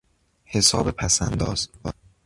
حساب پسانداز